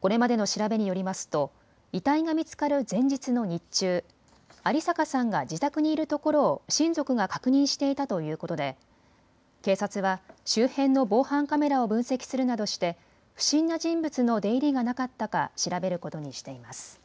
これまでの調べによりますと遺体が見つかる前日の日中、有坂さんが自宅にいるところを親族が確認していたということで警察は周辺の防犯カメラを分析するなどして不審な人物の出入りがなかったか調べることにしています。